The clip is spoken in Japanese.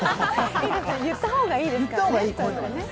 言った方がいいですね。